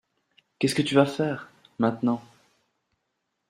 Qu’est-ce que tu vas faire, maintenant ?